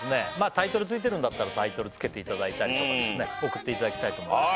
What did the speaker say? タイトル付いてるんだったらタイトル付けていただいたりとか送っていただきたいと思います